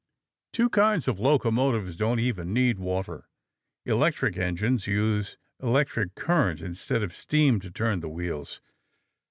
Two kinds of locomotive don't even need water. Electric engines use electric current instead of steam to turn the wheels.